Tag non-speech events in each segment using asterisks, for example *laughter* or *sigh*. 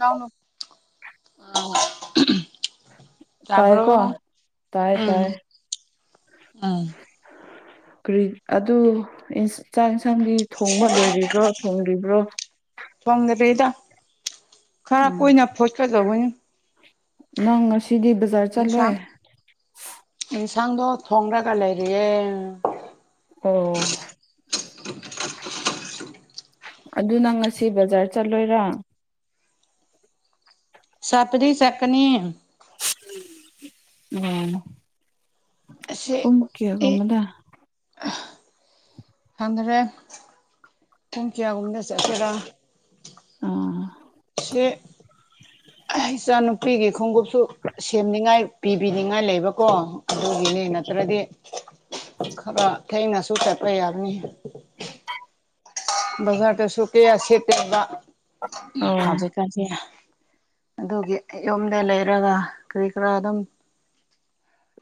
ꯂꯥꯡꯅꯨ ꯑꯥ *unintelligible* ꯇꯥꯕ꯭ꯔꯣ ꯇꯥꯏꯀꯣ ꯇꯥꯏ ꯇꯥꯏ ꯎꯝ ꯑꯝ ꯀ꯭ꯔꯤ ꯑꯗꯨ ꯢꯁ ꯆꯥꯛ ꯏꯟꯁꯥꯡꯗꯤ ꯊꯣꯡꯕ ꯂꯣꯏꯔꯤꯕ꯭ꯔꯣ ꯊꯣꯡꯔꯤꯕ꯭ꯔꯣ? ꯊꯣꯡꯗꯔꯤꯗ ꯈꯔ ꯎꯝ ꯀꯨꯏꯅ ꯐꯨꯠꯀꯗꯧꯕꯅꯤ꯫ ꯅꯪ ꯉꯁꯤꯗꯤ ꯕꯖ ꯏꯟꯁꯥꯡ ꯏꯟꯁꯥꯡꯗꯣ ꯊꯣꯡꯔꯒ ꯂꯩꯔꯤꯌꯦ꯫ ꯑꯣ ꯑꯗꯨ ꯅꯪ ꯉꯁꯤ ꯕꯖꯥꯔ ꯆꯠꯂꯣꯏꯔꯥ? ꯆꯥꯠꯄꯗꯤ ꯆꯠꯀꯅꯤ꯫ *unintelligible* ꯎꯝ ꯑꯁꯦ ꯄꯨꯡ ꯑꯦ ꯀꯌꯥꯒꯨꯝꯕꯗ ꯈꯪꯗꯔꯦ ꯄꯨꯡ ꯀ꯭ꯌꯥꯒꯨꯝꯕꯗ ꯆꯠꯁꯤꯔꯥ꯫ ꯑꯥ ꯁꯦ ꯑꯦ ꯏꯆꯥꯅꯨꯄꯤꯒꯤ ꯈꯣꯡꯒꯨꯞꯁꯨ ꯁꯦꯝꯅꯤꯡꯉꯥꯏ ꯄꯤꯕꯤꯅꯤꯡꯉꯥꯏ ꯂꯩꯕꯀꯣ꯫ ꯑꯗꯨꯒꯤꯅꯤ ꯅꯠꯇ꯭ꯔꯗꯤ ꯈꯔ ꯊꯦꯡꯅꯁꯨ ꯆꯠꯄ ꯌꯥꯒꯅꯤ꯫ *inaudible* ꯕꯥꯖꯥꯔꯗꯖꯨ ꯀꯌꯥ ꯁꯤꯠꯇꯦꯕ ꯎꯝ ꯑꯣ ꯍꯧꯖꯤꯛ꯫ *unintelligible* ꯑꯗꯨꯒꯤ ꯌꯨꯝꯗ ꯂꯩꯔꯒ ꯀꯔꯤ ꯀꯔꯥ ꯑꯗꯨꯝ,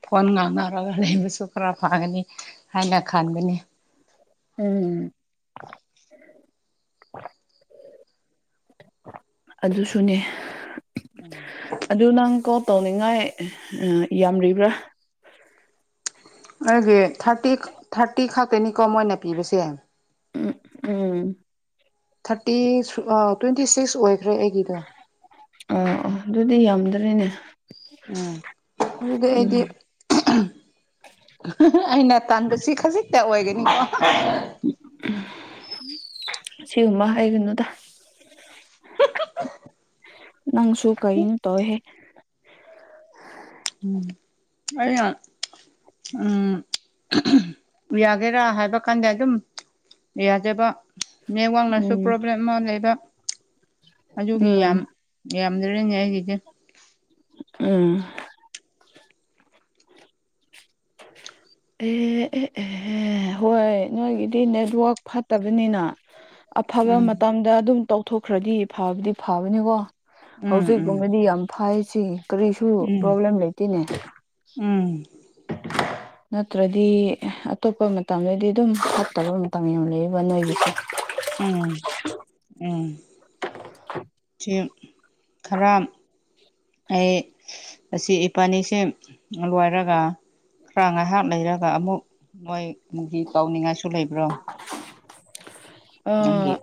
ꯐꯣꯟ ꯉꯥꯡꯅꯔꯒ ꯂꯩꯕꯁꯨ ꯈꯔ ꯐꯒꯅꯤ ꯍꯥꯏꯅ ꯈꯟꯕꯅꯤ꯫ ꯎꯝ ꯑꯗꯨꯁꯨꯅꯤ꯫ *unintelligible* ꯑꯗꯨ ꯅꯪ ꯀꯣꯜ ꯇꯧꯅꯤꯡꯉꯥꯏ ꯌꯥꯝꯔꯤꯕ꯭ꯔꯥ? ꯑꯩꯒꯤ ꯊꯥꯔꯇꯤ ꯈꯥ ꯊꯥꯔꯇꯤ ꯈꯛꯇꯅꯤꯀꯣ ꯃꯣꯏꯅ ꯄꯤꯕꯁꯦ꯫ ꯎꯝ ꯎꯝ ꯊꯥꯔꯇꯤ ꯑꯥ ꯇ꯭ꯋꯦꯟꯇꯤ ꯁꯤꯛꯁ ꯑꯣꯏꯈ꯭ꯔꯦ ꯑꯩꯒꯤꯗꯣ꯫ ꯑꯥ ꯑꯣ ꯑꯗꯨꯗꯤ ꯌꯥꯝꯗ꯭ꯔꯦꯅꯦ꯫ ꯎꯝ ꯑꯗꯨꯗꯤ ꯑꯩꯗꯤ ꯎꯝ *unintelligible* ꯑꯩꯅ ꯇꯟꯕꯁꯤ ꯈꯖꯤꯛꯇ ꯑꯣꯏꯒꯅꯤꯀꯣ꯫ ꯎꯝ ꯁꯤꯒꯨꯝꯕ ꯍꯥꯏꯒꯅꯨꯗ꯫ ꯅꯪꯁꯨꯨ ꯀꯩꯟ ꯇꯧꯋꯦꯍꯦ ꯎꯝ ꯑꯩꯅ ꯎꯝ ꯌꯥꯒꯦꯔꯥ ꯍꯥꯏꯕ ꯀꯥꯟꯗ ꯑꯗꯨꯝ ꯌꯥꯗꯦꯕ ꯅꯦꯠꯋꯥꯛꯅꯁꯨ ꯎꯝ ꯄ꯭ꯔꯣꯕ꯭ꯂꯦꯝ ꯑꯃ ꯂꯩꯔꯦ ꯑꯗꯨꯒꯤ ꯎꯝ ꯌꯥꯝ ꯌꯥꯝꯗ꯭ꯔꯦꯅꯦ ꯑꯩꯒꯤꯗꯤ ꯑ ꯑꯦ ꯑꯦ ꯑꯦ ꯑꯦ ꯍꯣꯏ ꯅꯣꯏꯒꯤꯗꯤ ꯅꯦꯠꯋꯥꯛ ꯐꯠꯇꯕꯅꯤꯅ ꯑꯐꯕ ꯎꯝ ꯃꯇꯝꯗ ꯑꯗꯨꯝ ꯇꯧꯊꯣꯛꯈ꯭ꯔꯗꯤ ꯐꯕꯗꯤ ꯐꯕꯅꯦꯀꯣ꯫ ꯎꯝ ꯎꯝ ꯍꯧꯖꯤꯛꯀꯨꯝꯕꯗꯤ ꯌꯥꯝ ꯐꯩꯁꯤ ꯀꯔꯤꯁꯨ ꯄ꯭ꯔꯣꯕ꯭ꯂꯦꯝ ꯂꯩꯇꯦꯅꯦ꯫ ꯎꯝ *unintelligible* ꯅꯠꯇ꯭ꯔꯗꯤ ꯑꯇꯣꯞꯄ ꯃꯇꯝꯗꯗꯤ ꯑꯗꯨꯝ ꯐꯠꯇꯕ ꯃꯇꯝ ꯌꯥꯝ ꯂꯩꯌꯦꯕ ꯅꯣꯏꯒꯤꯁꯦ꯫ ꯎꯝ ꯎꯝ ꯆꯦꯝ ꯈꯔꯥꯝ ꯑꯩ ꯑꯁꯤ ꯏꯄꯥꯅꯤꯁꯦ ꯂꯣꯏꯔꯒ ꯈꯔ ꯉꯥꯏꯍꯥꯛ ꯂꯩꯔꯒ ꯑꯃꯨꯛ ꯅꯣꯏ ꯃꯨꯒꯤ ꯇꯧꯅꯤꯡꯉꯥꯏꯁꯨ ꯂꯩꯕ꯭ꯔꯣ ꯑꯥ ꯅꯪꯒꯤ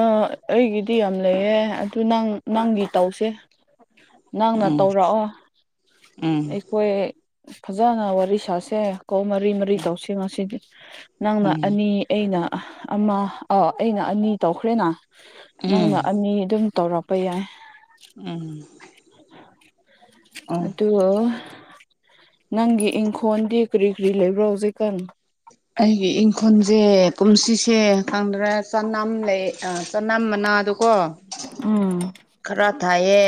ꯑꯥ ꯑꯩꯒꯤꯗꯤ ꯌꯥꯝ ꯂꯩꯌꯦ ꯑꯗꯨ ꯅꯪ ꯅꯪꯒꯤ ꯇꯧꯁꯦ꯫ ꯅꯪꯅ ꯎꯝ ꯇꯧꯔꯛꯑꯣ ꯎꯝ ꯑꯩ ꯈꯣꯏ ꯐꯖꯅ ꯋꯥꯔꯤ ꯁꯥꯁꯦ ꯀꯣ ꯃꯔꯤ ꯃꯔꯤ ꯇꯧꯁꯦ ꯉꯁꯤꯗꯤ꯫ ꯅꯪꯅ ꯎꯝ ꯑꯅꯤ ꯑꯩꯅ ꯑꯃ ꯑꯥ ꯑꯩꯅ ꯑꯅꯤ ꯇꯧꯈ꯭ꯔꯦꯅ ꯎꯝ ꯅꯪꯅ ꯑꯅꯤ ꯑꯗꯨꯝ ꯇꯧꯔꯛꯄ ꯌꯥꯏ꯫ ꯎꯝ ꯑꯥ ꯑꯗꯣ ꯅꯪꯒꯤ ꯏꯪꯈꯣꯜꯗꯤ ꯀ꯭ꯔꯤ ꯀ꯭ꯔꯤ ꯂꯩꯕ꯭ꯔꯣ ꯍꯧꯖꯛꯀꯥꯟ? ꯑꯩꯒꯤ ꯏꯪꯈꯣꯜꯖꯦ ꯀꯨꯝꯁꯤꯁꯦ ꯈꯪꯗ꯭ꯔꯦ ꯆꯅꯝ ꯂꯩ ꯑ ꯆꯅꯝ ꯃꯅꯥꯗꯣ ꯀꯣ ꯎꯝ ꯈꯔ ꯊꯥꯏꯌꯦ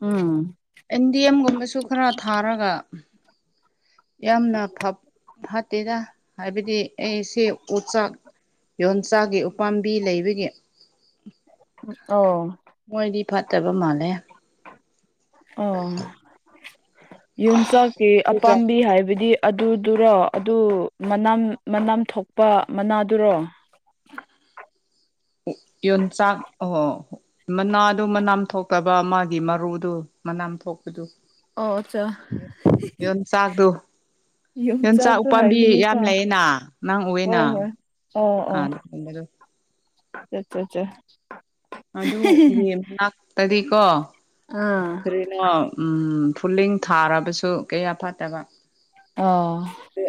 ꯎꯝ ꯑꯦꯟꯗꯦꯝꯒꯨꯝꯕꯁꯨ ꯈꯔ ꯊꯥꯔꯒ ꯌꯥꯝꯅ ꯐꯥ ꯐꯠꯇꯦꯗ ꯍꯥꯏꯕꯗꯤ ꯑꯩꯁꯦ ꯎ ꯆꯥꯛ ꯌꯣꯟꯆꯥꯛꯒꯤ ꯎꯄꯥꯝꯕꯤ ꯂꯩꯕꯒꯤ ꯑꯧ ꯃꯣꯏꯗꯤ ꯐꯠꯇꯕ ꯃꯥꯜꯂꯦ ꯑꯣ ꯌꯣꯟꯆꯥꯛꯀꯤ ꯆꯨꯖꯥꯛ ꯑꯄꯥꯝꯕꯤ ꯍꯥꯏꯕꯗꯤ ꯑꯗꯨꯗꯨꯔꯣ ꯑꯗꯨ ꯃꯅꯝ ꯃꯅꯝ ꯊꯣꯛꯄ ꯃꯅꯥꯗꯨꯔꯣ? ꯎ ꯌꯣꯟꯆꯥꯛ ꯑꯣ ꯃꯅꯥꯗꯨ ꯃꯅꯥꯝ ꯊꯣꯛꯇꯕ ꯃꯥꯒꯤ ꯃꯔꯨꯗꯨ ꯃꯅꯥꯝ ꯊꯣꯛꯄꯗꯨ ꯑꯣ ꯑꯠꯆꯥ ꯌꯣꯟꯆꯥꯛꯗꯨ ꯌꯣꯟꯆꯥꯛ ꯌꯣꯡꯆꯥꯛꯁꯨ ꯎꯄꯥꯝꯕꯤ ꯌꯥꯝ ꯍꯥꯏꯕꯅꯤꯀꯣ ꯂꯩꯌꯦꯅ ꯅꯪ ꯎꯑꯦꯅ ꯍꯣꯏ ꯑꯥ ꯆꯥ ꯆꯥ ꯆꯥ ꯑꯗꯨꯒꯤ ꯃꯅꯥꯛꯇꯗꯤ ꯀꯣ ꯑꯥ ꯀꯩꯅꯣ ꯎꯝ ꯐꯨꯂꯤꯡ ꯊꯥꯔꯕꯁꯨ ꯀꯌꯥ ꯐꯠꯇꯕ ꯑꯥ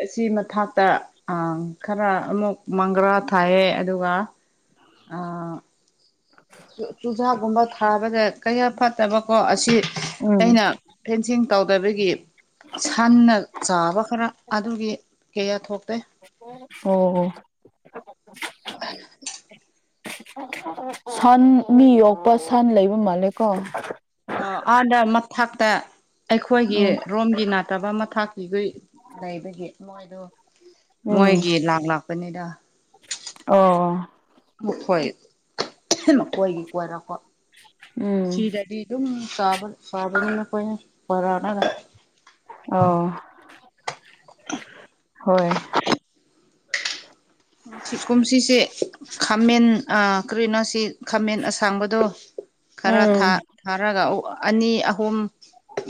ꯑꯁꯤ ꯃꯊꯥꯛꯛꯇ ꯈꯔ ꯑꯃꯨꯛ ꯃꯪꯒ꯭ꯔꯥ ꯊꯥꯏꯌꯦ ꯑꯗꯨꯒ ꯑꯥ ꯆꯨꯖꯥꯛꯀꯨꯝꯕ ꯊꯥꯕꯅ ꯀꯌꯥ ꯐꯠꯇꯕꯀꯣ ꯑꯁꯤ ꯎꯝ ꯑꯩꯅ ꯐꯦꯟꯁꯤꯡ ꯇꯧꯗꯕꯒꯤ ꯁꯟꯅ ꯆꯥꯕ ꯈꯔ ꯑꯗꯨꯒꯤ ꯀꯌꯥ ꯊꯣꯛꯇꯦ ꯑꯣ *unintelligible* ꯁꯟ ꯃꯤ ꯌꯣꯛꯄ ꯁꯟ ꯂꯩꯕ ꯃꯥꯜꯂꯦꯀꯣ ꯑ ꯑꯥꯗ ꯃꯊꯛꯇ ꯑꯩꯈꯣꯏꯒꯤ ꯎꯝ ꯔꯣꯝꯒꯤ ꯅꯥ ꯇꯕ ꯃꯈꯥꯛꯀꯤꯗꯣ ꯂꯩꯕꯒꯤ ꯃꯣꯏꯗꯣ ꯎꯝ ꯃꯣꯏꯒꯤ ꯂꯥꯛꯂꯥꯛꯄꯅꯤꯗ ꯑꯣ ꯃꯈꯣꯏ ꯃꯈꯣꯏꯒꯤ ꯀꯣꯏꯔꯛꯄ ꯎꯝ ꯁꯤꯗꯗꯤ ꯑꯗꯨꯝꯕ ꯆꯥꯕꯅꯤ *unintelligible* ꯑꯣ ꯍꯣꯏ ꯀꯨꯝꯁꯤꯁꯦ ꯈꯥꯃꯦꯟ ꯑꯥ ꯀ꯭ꯔꯤꯅꯣꯁꯤ ꯈꯥꯃꯦꯟ ꯑꯁꯥꯡꯕꯗꯣ ꯈꯔ ꯎꯝ ꯊꯥ ꯊꯥꯔꯒ ꯑꯅꯤ ꯑꯍꯨꯝ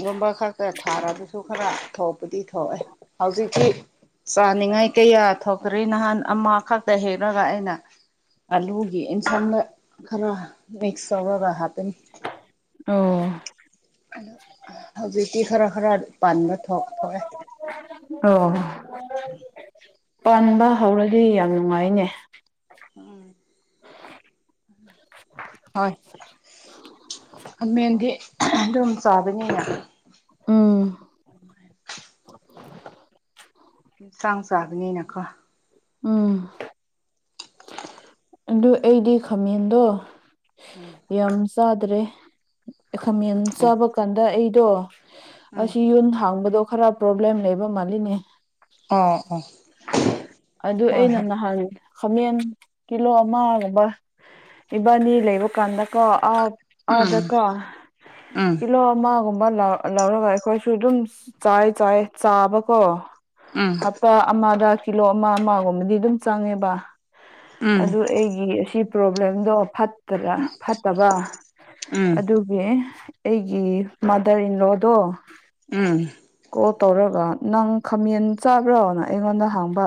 ꯌꯣꯟꯕ ꯈꯛꯇ ꯈꯔ ꯊꯥꯔꯔꯕꯁꯨ ꯈꯔ ꯊꯣꯛꯄꯗꯤ ꯊꯣꯛꯑꯦ ꯍꯧꯖꯤꯛꯇꯤ ꯆꯥꯅꯤꯡꯉꯥꯏ ꯀꯩꯌꯥ ꯊꯣꯛꯊ꯭ꯔꯤ ꯅꯍꯥꯟ ꯑꯃ ꯈꯛꯇ ꯍꯦꯛꯂꯒ ꯑꯩꯅ ꯑꯂꯨꯒꯤ ꯏꯟꯁꯥꯡꯗ ꯈꯔ ꯃꯤꯛꯁ ꯇꯧꯔꯒ ꯍꯥꯥꯞꯄꯦ ꯑꯣ ꯑꯗꯣ ꯍꯧꯖꯤꯛꯇꯤ ꯈꯔ ꯈꯔ ꯄꯥꯟꯕ ꯊꯣꯛꯑꯦ ꯑꯣ ꯄꯟꯕ ꯍꯧꯔꯗꯤ ꯌꯥꯝ ꯅꯨꯡꯉꯥꯏꯅꯦ ꯎꯝ ꯍꯣꯏ ꯈꯃꯦꯟꯗꯤ ꯑꯗꯨꯝ ꯆꯥꯕꯅꯤꯅ ꯎꯝ ꯏꯟꯁꯥꯡ ꯆꯥꯕꯅꯤꯅꯀꯣ ꯎꯝ ꯑꯗꯨ ꯑꯩꯗꯤ ꯈꯥꯃꯦꯟꯗꯣ ꯎꯝ ꯌꯥꯝ ꯆꯥꯗ꯭ꯔꯦ ꯈꯥꯃꯦꯟ ꯆꯥꯕ ꯀꯥꯟꯗ ꯑꯩꯗꯣ ꯎꯝ ꯑꯁꯤ ꯌꯨꯟ ꯍꯥꯡꯕꯗꯣ ꯈꯔ ꯄ꯭ꯔꯣꯕ꯭ꯂꯦꯝ ꯂꯩꯕ ꯃꯥꯜꯂꯤꯅꯦ ꯑꯣ ꯑꯣ ꯑꯗꯨ ꯍꯣꯏ ꯑꯩꯅ ꯍꯣꯏ ꯅꯍꯥꯟ ꯈꯥꯃꯦꯟ ꯀꯤꯂꯣ ꯑꯃꯒꯨꯝꯕ ꯏꯕꯥꯅꯤ ꯂꯩꯕ ꯀꯥꯟꯗ ꯀꯣ ꯑꯥ ꯎꯝ ꯑꯥꯗꯀꯣ ꯎꯝ ꯀꯤꯂꯣ ꯑꯃꯒꯨꯝꯕ ꯂꯧ ꯂꯧꯔꯒ ꯑꯩꯈꯣꯏꯁꯨ ꯑꯗꯨꯝ ꯆꯥꯏ ꯆꯥꯏ ꯆꯥꯕꯀꯣ ꯎꯝ ꯍꯞꯇꯥ ꯑꯃꯥꯗ ꯀꯤꯂꯣ ꯑꯃꯥ ꯑꯃꯥꯒꯨꯝꯕꯗꯤ ꯑꯗꯨꯝ ꯆꯪꯉꯦꯕ ꯎꯝ ꯑꯗꯨ ꯑꯩꯒꯤ ꯑꯁꯤ ꯄ꯭ꯔꯣꯕ꯭ꯂꯦꯝꯗꯣ ꯐꯠꯇꯔ ꯐꯠꯇꯕ ꯎꯝ ꯑꯗꯨ ꯒꯤ ꯑꯩꯒꯤ ꯃꯥꯗꯔ ꯏꯟꯂꯣꯗꯣ ꯎꯝ ꯀꯣꯜ ꯇꯧꯔꯒ ꯅꯪ ꯈꯥꯃꯦꯟ ꯆꯥꯕ꯭ꯔꯣꯅ ꯑꯩꯉꯣꯟꯗ ꯍꯪꯕ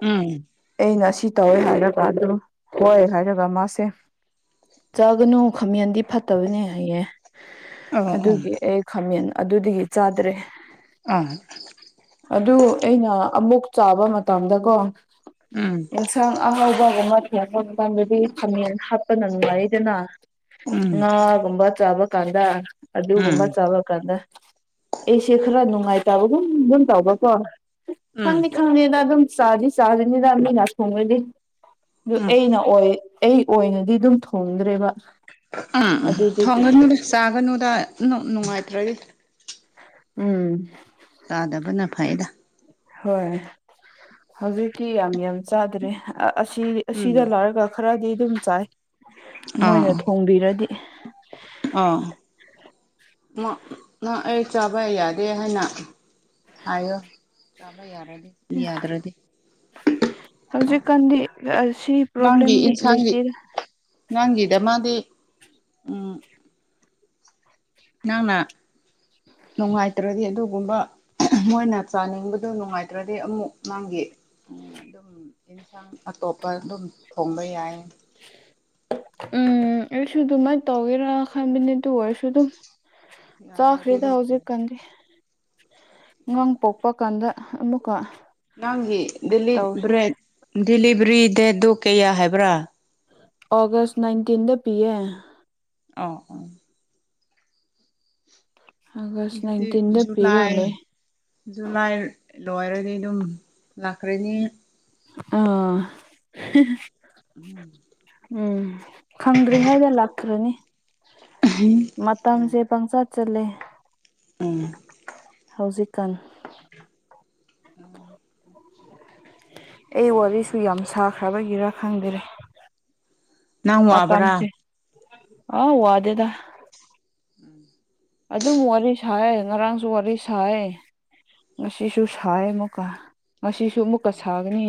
ꯎꯝ ꯑꯩꯅ ꯁꯤ ꯇꯧꯋꯦ ꯍꯥꯏꯔꯒ ꯑꯗꯨ ꯍꯣꯏ ꯍꯥꯏꯔꯒ ꯃꯥꯁꯦ ꯆꯥꯒꯅꯨ ꯈꯥꯃꯦꯟꯗꯤ ꯐꯠꯇꯕꯅꯦ ꯍꯥꯌꯦ ꯑꯣ ꯑꯣ ꯑꯗꯨꯒꯤ ꯑꯦꯏ ꯈꯥꯃꯦꯟ ꯑꯗꯨꯗꯒꯤ ꯆꯥꯗ꯭ꯔꯦ ꯑꯥ ꯑꯗꯨ ꯑꯩꯅ ꯑꯃꯨꯛ ꯆꯥꯕ ꯃꯇꯝꯗꯀꯣ ꯎꯝ ꯆꯥꯡ ꯑꯍꯥꯎꯕꯒꯨꯝꯕ ꯊꯣꯡꯕ ꯃꯇꯥꯝꯗꯗꯤ ꯈꯃꯦꯟ ꯍꯥꯞꯄꯅ ꯅꯨꯡꯉꯥꯏꯌꯦꯗꯅ ꯎꯝ ꯉꯥꯒꯨꯝꯕ ꯆꯥꯕ ꯀꯥꯟꯗ ꯎꯝ ꯑꯗꯨꯒꯨꯝꯕ ꯆꯥꯕ ꯀꯥꯟꯗ ꯑꯩꯁꯦ ꯈꯔ ꯅꯨꯡꯉꯥꯏꯇꯕꯒꯨꯝ ꯗꯨꯝ ꯇꯧꯕꯀꯣ ꯎꯝ ꯈꯪꯗꯤ ꯈꯪꯅꯤꯗ ꯑꯗꯨꯝ ꯆꯥꯗꯤ ꯆꯥꯒꯅꯤꯅ ꯃꯤꯅ ꯊꯣꯡꯔꯗꯤ ꯎꯝ ꯑꯗꯨ ꯎꯝ ꯑꯩꯅ ꯑꯣꯏ ꯑꯩ ꯑꯣꯏꯅꯗꯤ ꯑꯗꯨꯝ ꯊꯣꯡꯗ꯭ꯔꯦꯕ ꯑꯥ ꯑꯗꯨꯗꯒꯤ ꯊꯣꯡꯒꯅꯨꯗ ꯆꯥꯒꯅꯨꯗ ꯅꯨ ꯅꯨꯡꯉꯥꯏꯇ꯭ꯔꯗꯤ ꯎꯝ ꯆꯥꯗꯕꯅ ꯐꯩꯗ ꯍꯣꯏ ꯍꯧꯖꯤꯛꯇꯤ ꯌꯥꯝ ꯌꯥꯝ ꯆꯥꯗ꯭ꯔꯦ ꯑꯥ ꯑꯁꯤ ꯎꯝ ꯑꯁꯤꯗ ꯂꯥꯛꯔꯒ ꯈꯔꯗꯤ ꯑꯗꯨꯝ ꯆꯥꯏ ꯃꯣꯏꯅ ꯊꯣꯡꯕꯤꯔꯗꯤ ꯑꯣ ꯃꯣ ꯅꯪ ꯑꯩ ꯆꯥꯕ ꯌꯥꯗꯦ ꯍꯥꯏꯅ ꯍꯥꯏꯌꯣ ꯆꯥꯕ ꯌꯥꯔꯗꯤ ꯃꯤ ꯌꯥꯗ꯭ꯔꯗꯤ ꯍꯧꯖꯤꯛꯀꯥꯟꯗꯤ ꯑꯥꯁꯤ ꯄ꯭ꯔꯣꯕ꯭ꯂꯦꯝꯗꯤ ꯂꯩꯇꯦꯗ ꯅꯪꯒꯤꯗꯃꯛꯗꯤ ꯎꯝ ꯅꯪꯅ ꯅꯨꯡꯉꯥꯏꯇ꯭ꯔꯗꯤ ꯑꯗꯨꯒꯨꯝꯕ ꯃꯣꯏꯅ ꯆꯥꯅꯤꯡꯕꯗꯨ ꯅꯨꯡꯉꯥꯏꯇ꯭ꯔꯗꯤ ꯑꯃꯨꯛ ꯅꯪꯒꯤ ꯑꯦꯟꯁꯥꯡ ꯑꯇꯣꯞꯄ ꯑꯗꯨꯝ ꯊꯣꯡꯕ ꯌꯥꯏ ꯎꯝ ꯑꯩꯁꯨ ꯑꯗꯨꯃꯥꯏꯠ ꯇꯧꯒꯦꯔ ꯈꯟꯕꯅꯤ ꯗꯨ ꯑꯣꯏꯔꯁꯨ ꯑꯗꯨꯝ ꯌꯥꯗ꯭ꯔꯗꯤ ꯆꯥꯈ꯭ꯔꯦꯗ ꯑꯗꯨꯝ ꯍꯧꯖꯤꯛꯀꯥꯟꯗꯤ ꯑꯉꯥꯡ ꯄꯣꯛꯄ ꯀꯥꯟꯗ ꯑꯃꯨꯛꯀ ꯅꯪꯒꯤ ꯗꯤꯂꯤꯠ ꯇꯧꯁꯦ ꯕ꯭ꯔꯦꯠ ꯗꯤꯂꯤꯚꯔꯤ ꯗꯦꯠꯇꯣ ꯀꯩꯌꯥ ꯍꯥꯏꯕ꯭ꯔꯥ ꯑꯣꯒꯁ ꯅꯥꯏꯟꯇꯤꯟꯗ ꯄꯤꯌꯦ ꯑꯣ ꯑꯣ ꯑꯥꯒꯁ ꯑꯗꯨꯗꯤ ꯅꯥꯏꯟꯇꯤꯟꯗ ꯄꯤꯔ ꯖꯨꯂꯥꯏ ꯂꯩ ꯖꯨꯂꯥꯏ ꯂꯣꯏꯔꯗꯤ ꯑꯗꯨꯝ ꯂꯥꯛꯈ꯭ꯔꯅꯤ ꯑꯥ ꯍꯍ ꯎꯝ ꯎꯝ ꯈꯪꯗ꯭ꯔꯤꯉꯩꯗ ꯂꯥꯛꯈ꯭ꯔꯅꯤ ꯃꯇꯝꯁꯦ ꯄꯪꯆꯥꯠ ꯆꯠꯂꯦ ꯎꯝ ꯍꯧꯖꯤꯛꯀꯥꯟ ꯑꯩ ꯋꯥꯔꯤꯁꯨ ꯌꯥꯝ ꯁꯥꯈ꯭ꯔꯕꯒꯤꯔꯥ ꯈꯪꯗꯔꯦ ꯅꯪ ꯃꯇꯝꯁꯦ ꯋꯥꯕ꯭ꯔꯥ ꯑꯥ ꯋꯥꯗꯦꯗ ꯑꯗꯨꯝ ꯋꯥꯔꯤ ꯁꯥꯏꯑꯦ ꯉꯔꯥꯡꯁꯨ ꯋꯥꯔꯤ ꯁꯥꯏꯑꯦ ꯉꯁꯤꯁꯨ ꯁꯥꯏ ꯑꯃꯨꯛꯀ ꯉꯁꯤꯁꯨ ꯑꯃꯨꯛꯀ ꯁꯥꯒꯅꯤ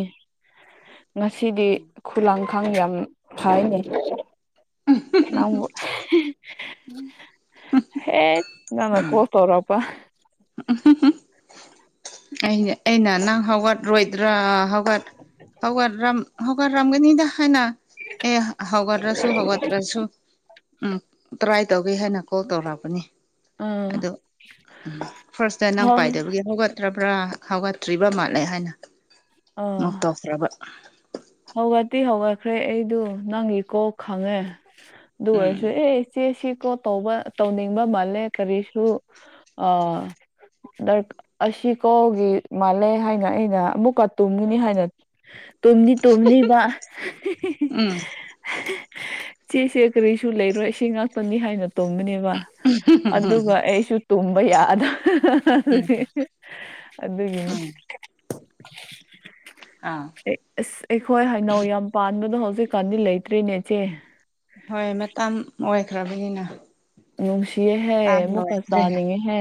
ꯉꯁꯤꯗꯤ ꯈꯨꯂꯥꯡꯈꯥꯡ ꯌꯥꯝ ꯐꯥꯏꯅꯦ ꯅꯪꯕꯨ ꯍꯦꯛ ꯅꯪꯅ ꯀꯣꯜ ꯇꯧꯔꯛꯄꯥ ꯑꯩꯅ ꯑꯩꯅ ꯅꯪ ꯍꯧꯒꯠꯔꯣꯏꯗ꯭ꯔꯥ ꯍꯧꯒꯠ ꯍꯧꯒꯠꯔꯝ ꯍꯧꯒꯠꯔꯝꯒꯅꯤꯗ ꯍꯥꯏꯅ ꯑꯦ ꯍꯧꯒꯠꯔꯁꯨ ꯍꯧꯒꯠꯇ꯭ꯔꯁꯨ ꯎꯝ ꯇꯔꯥꯏ ꯇꯧꯒꯦ ꯍꯥꯏꯅ ꯀꯣꯜ ꯇꯧꯔꯛꯄꯅꯤ ꯎꯝ ꯑꯗꯣ ꯐꯔꯁꯇ ꯅꯪ ꯍꯣꯏ ꯄꯥꯏꯗꯕꯒꯤ ꯍꯧꯒꯠ ꯇ꯭ꯔꯕ꯭ꯔꯥ ꯍꯧꯒꯠꯇ꯭ꯔꯤꯕ ꯃꯥꯜꯂꯦ ꯍꯥꯏꯅ ꯑꯥ ꯃꯨꯛ ꯇꯧꯈ꯭ꯔꯕ ꯍꯧꯒꯠꯇꯤ ꯍꯧꯒꯠꯈ꯭ꯔꯦ ꯑꯩꯗꯨ ꯅꯪꯒꯤ ꯀꯣꯜ ꯈꯪꯉꯦ ꯗꯨ ꯑꯣꯢꯔꯁꯨ ꯎꯝ ꯑꯦ ꯏꯆꯦ ꯁꯤ ꯀꯣ ꯇꯧꯕ ꯇꯧꯅꯤꯡꯕ ꯃꯥꯜꯂꯦ ꯀꯔꯤꯁꯨ ꯑ ꯗꯔꯛ ꯑꯁꯤ ꯀꯣꯜꯒꯤ ꯃꯥꯜꯂꯦ ꯍꯥꯏꯅ ꯑꯩꯅ ꯑꯃꯨꯛꯀ ꯇꯨꯝꯒꯅꯤ ꯍꯥꯏꯅ ꯇꯨꯝꯅꯤ ꯇꯨꯝꯅꯤꯕꯥ ꯎꯝ ꯆꯦꯁꯦ ꯀꯔꯤꯁꯨ ꯂꯩꯔꯣꯏ ꯑꯁꯤ ꯉꯥꯛꯇꯪꯅꯤ ꯍꯥꯏꯅ ꯇꯨꯝꯕꯅꯦ ꯕ ꯑꯗꯨꯒ ꯑꯩꯁꯨ ꯇꯨꯝꯕ ꯌꯥꯗ ꯎꯝ ꯑꯗꯨꯒꯤꯅꯤ ꯎꯝ ꯑꯥ ꯑꯦ ꯑꯁ ꯑꯩꯈꯣꯏ ꯍꯩꯅꯧ ꯌꯥꯝ ꯄꯥꯟꯕꯗꯣ ꯍꯧꯖꯤꯛꯀꯥꯟꯗꯤ ꯂꯩꯇ꯭ꯔꯦꯅꯦ ꯆꯦ ꯍꯣꯏ ꯃꯇꯝ ꯑꯣꯏꯈ꯭ꯔꯕꯅꯤꯅ ꯅꯨꯡꯁꯤꯌꯦꯍꯦ ꯃꯇꯝ ꯃꯨꯛꯀ ꯂꯣꯏꯈ꯭ꯔꯦ ꯆꯥꯅꯤꯡꯉꯦꯍꯦ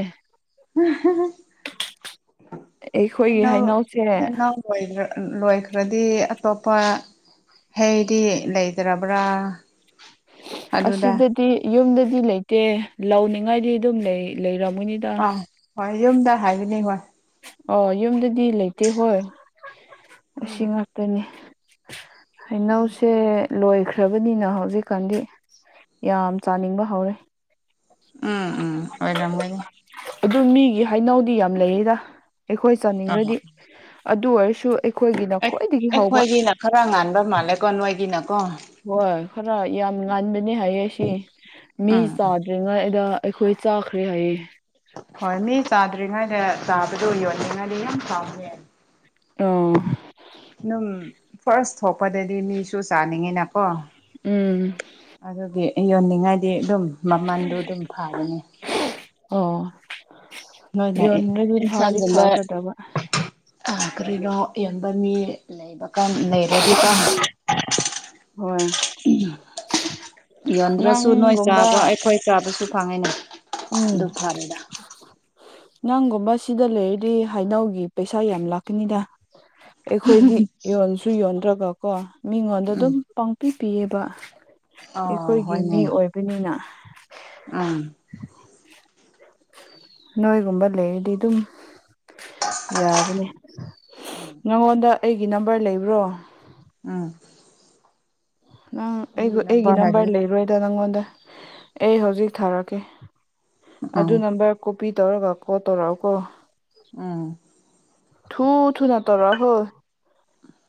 ꯑꯩꯈꯣꯏꯒꯤ ꯍꯩꯅꯧ ꯍꯩꯅꯧꯁꯦ ꯍꯩꯅꯧ ꯂꯣꯢꯒ꯭ꯔ ꯂꯣꯏꯈ꯭ꯔꯗꯤ ꯑꯇꯣꯞꯄ ꯍꯩꯗꯤ ꯂꯩꯇ꯭ꯔꯕ꯭ꯔꯥ ꯑꯗꯨꯗ ꯑꯁꯤꯗꯗꯤ ꯌꯨꯝꯗꯗꯤ ꯂꯩꯇꯦ ꯂꯧꯅꯤꯉꯥꯏꯗꯤ ꯗꯨꯝ ꯂꯩ ꯂꯩꯔꯝꯒꯅꯤ ꯑꯥ ꯍꯣꯏ ꯌꯨꯝꯗ ꯍꯥꯏꯕꯅꯦ ꯍꯣꯏ ꯑꯣ ꯌꯨꯝꯗꯗꯤ ꯂꯩꯇꯦ ꯍꯣꯏ ꯎꯝ ꯑꯁꯤ ꯉꯥꯛꯇꯅꯤ ꯎꯝ ꯍꯩꯅꯧꯁꯦ ꯂꯣꯏꯈ꯭ꯔꯕꯅꯤꯅ ꯍꯧꯖꯤꯛꯀꯥꯟꯗꯤ ꯌꯥꯝ ꯆꯥꯅꯤꯡꯕ ꯍꯧꯔꯦ *inaudible* ꯎꯝ ꯎꯝ ꯑꯣꯏꯔꯝꯒꯅꯤ ꯑꯗꯨ ꯃꯤꯒꯤ ꯍꯩꯅꯧꯗꯤ ꯌꯥꯝ ꯂꯩꯌꯦꯗ ꯑꯩꯈꯣꯏ ꯑꯥ ꯆꯥꯅꯤꯡꯔꯗꯤ ꯑꯗꯨ ꯑꯣꯏꯔꯁꯨ ꯑꯩꯛ ꯑꯩꯛ ꯑꯩꯈꯣꯏꯒꯤꯅ ꯈꯔ ꯉꯥꯟꯕ ꯃꯥꯜꯂꯦꯀꯣ ꯅꯣꯏꯒꯤꯅꯀꯣ ꯍꯣꯏ ꯈꯔ ꯌꯥꯝ ꯉꯥꯟꯕꯅꯦ ꯍꯥꯏꯌꯦ ꯁꯤ ꯃꯤ ꯎꯝ ꯎꯝ ꯆꯥꯗ꯭ꯔꯤ ꯗ꯭ꯔꯤ ꯉꯩ ꯑꯗ ꯑꯩꯈꯣꯏ ꯆꯥꯈ꯭ꯔꯦ ꯍꯥꯏꯌꯦ ꯍꯣꯏ ꯃꯤ ꯆꯥꯗ꯭ꯔꯤꯉꯩꯗ ꯆꯥꯕꯗꯣ ꯌꯣꯟꯅꯤꯡꯉꯗꯤ ꯌꯥꯝ ꯐꯕꯅꯦ *unintelligible* ꯅꯨꯝ ꯐꯔꯁ ꯊꯣꯛꯄꯗꯗꯤ ꯃꯤꯁꯨ ꯆꯥꯅꯤꯡꯉꯦꯅꯀꯣ ꯎꯝ ꯑꯗꯨꯒꯤ ꯌꯣꯟꯅꯤꯡꯉꯥꯏꯗꯤ ꯗꯨꯝ ꯃꯃꯟꯗꯣ ꯗꯨꯝ ꯐꯥꯕꯅꯦ ꯑꯣ ꯅꯣꯏꯅ ꯌꯣꯟꯔꯗꯤ ꯐꯥꯗꯤ ꯐꯥꯒꯗꯕ ꯑ ꯀꯔꯤꯅꯣ ꯌꯣꯟꯕ ꯃꯤ ꯂꯩꯕꯀꯥꯟ ꯂꯩꯔꯗꯤꯀꯣ ꯍꯣꯏ ꯌꯣꯟꯗ꯭ꯔꯁꯨ ꯅꯣꯏ ꯅꯪꯒꯨꯝꯕ ꯆꯥꯕ ꯑꯩꯈꯣꯏ ꯆꯥꯕꯁꯨ ꯐꯪꯉꯦꯅꯦ ꯎꯝ ꯅꯪꯒꯨꯝꯕ ꯁꯤꯗ ꯂꯩꯔꯗꯤ ꯍꯥꯏꯅꯧꯒꯤ ꯄꯩꯁꯥ ꯌꯥꯝ ꯂꯥꯛꯀꯅꯤꯗ ꯑꯩꯈꯣꯏꯗꯤ ꯌꯣꯟꯁꯨ ꯌꯣꯟꯗ꯭ꯔꯒ ꯀꯣ ꯃꯤꯉꯣꯟꯗ ꯎꯝ ꯗꯨꯝ ꯄꯥꯡꯄꯤ ꯄꯤꯌꯦꯕ ꯑꯣ ꯑꯩꯈꯣꯏꯒꯤ ꯃꯤ ꯍꯣꯏꯅꯦ ꯑꯣꯏꯕꯅꯤꯅ ꯎꯝ ꯅꯣꯏꯒꯨꯝꯕ ꯂꯩꯔꯗꯤ ꯑꯗꯨꯝ ꯌꯥꯕꯅꯦ ꯎꯝ ꯅꯉꯣꯟꯗ ꯑꯩꯒꯤ ꯅꯝꯕꯔ ꯂꯩꯕ꯭ꯔꯣ ꯎꯝ ꯅꯪ ꯅꯪꯒꯤ ꯑꯩꯒ ꯑꯩꯒꯤ ꯍꯥꯏꯕꯗꯤ ꯅꯝꯕꯔ ꯂꯩꯔꯣꯏꯗ ꯅꯪꯉꯣꯟꯗ ꯑꯩ ꯍꯧꯖꯤꯛ ꯊꯥꯔꯛꯀꯦ ꯎꯝ ꯑꯗꯨ ꯅꯝꯕꯔ ꯀꯣꯄꯤ ꯇꯧꯔꯒ ꯀꯣꯜ ꯇꯧꯔꯛꯑꯣꯀꯣ ꯎꯝ ꯊꯨ ꯊꯨꯅ ꯇꯧꯔꯛꯑꯣꯍꯣ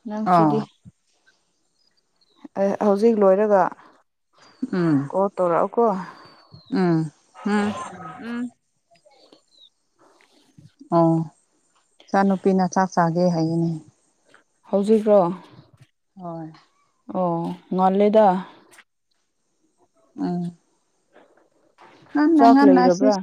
ꯅꯪꯁꯤꯗꯤ ꯑꯣ ꯑꯦ ꯍꯧꯖꯤꯛ ꯂꯣꯏꯔꯒ ꯎꯝ ꯀꯣꯜ ꯇꯧꯔꯛꯎꯀꯣ ꯎꯝ ꯎꯝ ꯎꯝ ꯎꯝ ꯏꯆꯥꯅꯨꯨꯄꯤꯅ ꯆꯥꯛ ꯆꯥꯒꯦ ꯍꯥꯏꯌꯦꯅꯦ ꯍꯧꯖꯤꯛꯔꯣ ꯍꯣꯏ ꯑꯣ ꯉꯜꯂꯤꯗ ꯎꯝ ꯉꯟꯅ ꯆꯥꯛ ꯉꯟꯅ ꯁꯤ ꯂꯩꯔꯕ꯭ꯔꯥ